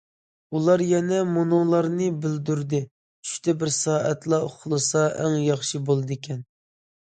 ئۇلار يەنە مۇنۇلارنى بىلدۈردى: چۈشتە بىر سائەتلا ئۇخلىسا، ئەڭ ياخشى بولىدىكەن.